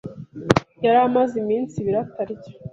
Yari amaze iminsi ibiri atarya.